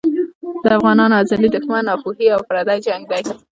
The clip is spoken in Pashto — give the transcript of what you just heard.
د افغانانو ازلي دښمن ناپوهي او پردی جنګ دی.